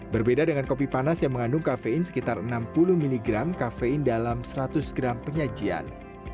berbeda dengan kopi panas yang mengandung kafein sekitar enam puluh mg kafein dalam seratus gram penyajian